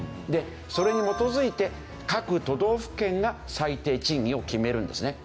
それに基づいて各都道府県が最低賃金を決めるんですね。